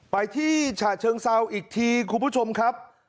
ไปที่ฉะเชิงเซาอีกทีคุณผู้ชมครับ